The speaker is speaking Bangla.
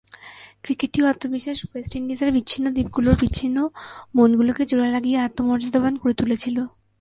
ক্রিকেটীয় আত্মবিশ্বাস ওয়েস্ট ইন্ডিজের বিচ্ছিন্ন দ্বীপগুলোর বিচ্ছিন্ন মনগুলোকে জোড়া লাগিয়ে আত্মমর্যাদাবান করে তুলেছিল।